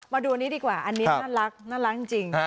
มาดูอันนี้ดีกว่าอันนี้น่ารักจริง